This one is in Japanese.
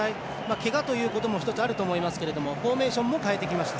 けがということも１つあると思いますがフォーメーションも変えてきました。